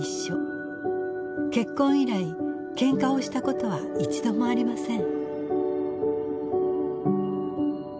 結婚以来けんかをしたことは一度もありません。